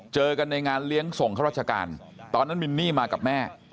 เจอกันในงานเลี้ยงส่งข้าราชการตอนนั้นมินนี่มากับแม่